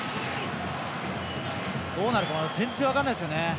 どうなるかまだ全然分からないですよね。